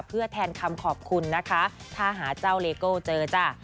เพื่อแทนคำขอบคุณนะคะถ้าหาเจ้าเลโก้เจอจ้ะ